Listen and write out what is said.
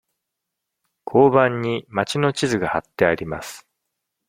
交番に町の地図がはってあります。